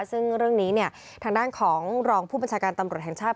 ซึ่งเรื่องนี้ทางด้านของรองผู้บัญชาการตำรวจแห่งชาติ